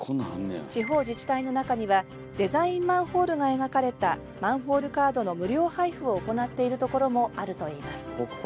地方自治体の中にはデザインマンホールが描かれたマンホールカードの無料配布を行っているところもあるといいます。